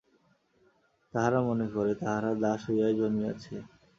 তাহারা মনে করে, তাহারা দাস হইয়াই জন্মিয়াছে।